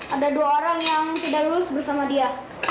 ada dua orang yang tidak lulus bersama dia